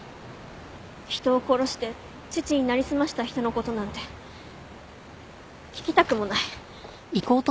人を殺して父になりすました人の事なんて聞きたくもない。